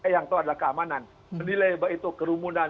yang tahu adalah keamanan nilai itu kerumunan